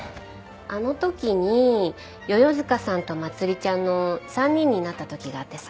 あの時に世々塚さんとまつりちゃんの３人になった時があってさ。